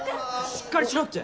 しっかりしろって。